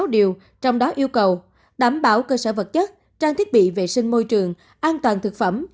sáu điều trong đó yêu cầu đảm bảo cơ sở vật chất trang thiết bị vệ sinh môi trường an toàn thực phẩm